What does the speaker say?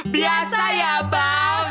biasa ya bang